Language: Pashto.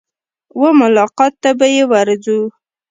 وه ملاقات ته به يې ورځو.